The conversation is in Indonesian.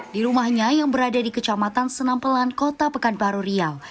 di rumahnya yang berada di kecamatan senampelan kota pekanbaru riau